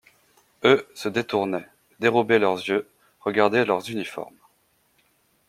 Eux se détournaient, dérobaient leurs yeux, regardaient leurs uniformes.